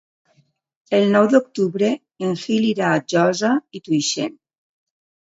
El nou d'octubre en Gil irà a Josa i Tuixén.